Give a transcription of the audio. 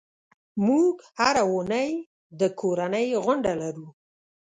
موږ هره اونۍ د کورنۍ غونډه لرو.